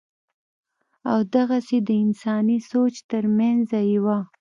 او دغسې دَانساني سوچ تر مېنځه يوه